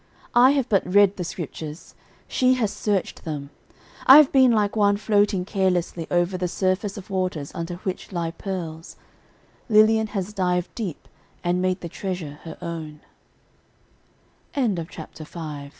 "I have but read the Scriptures, she has searched them. I have been like one floating carelessly over the surface of waters under which lie pearls; Lilian has dived deep and m